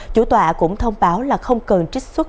chủ tòa cũng thông báo là không cần trích xuất